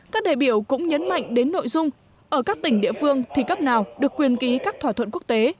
các đại biểu cũng nhấn mạnh đến nội dung ở các tỉnh địa phương thì cấp nào được quyền ký các thỏa thuận quốc tế